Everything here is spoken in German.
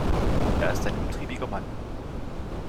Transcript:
Er ist ein umtriebiger Mann.